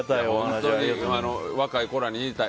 本当に若い子らに言いたい。